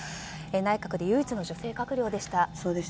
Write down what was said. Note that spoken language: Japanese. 内閣で唯一の女性閣僚でした。